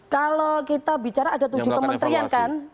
kalau kita bicara ada tujuh kementerian kan